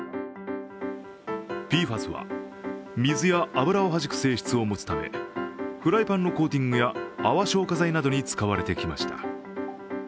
ＰＦＡＳは水や油をはじく性質を持つためフライパンのコーティングや泡消火剤などに使われてきました。